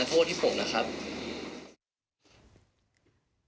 อย่าโทษทางครอบครัวผม